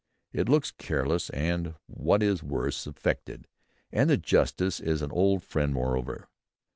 It looks careless, and, what is worse, affected; and the Justice is an old friend moreover."